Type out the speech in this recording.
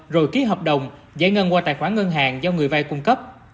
rồi ký hợp đồng giải ngân qua tài khoản ngân hàng do người vay cung cấp